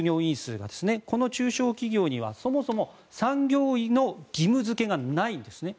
この中小企業にはそもそも産業医の義務付けがないんですね。